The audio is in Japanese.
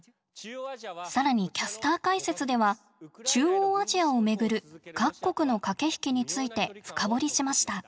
更にキャスター解説では中央アジアをめぐる各国の駆け引きについて深掘りしました。